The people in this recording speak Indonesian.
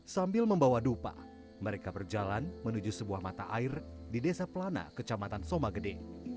sambil membawa dupa mereka berjalan menuju sebuah mata air di desa pelana kecamatan somagede